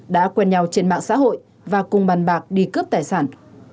đã quen nhau trên mạng xã hội và cùng bàn bạc đi cướp tài sản